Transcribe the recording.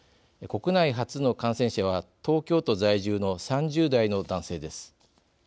国内初の感染者は東京都在住の３０代の男性です。